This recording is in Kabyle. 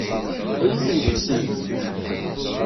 Ad iyi-tent-kksen?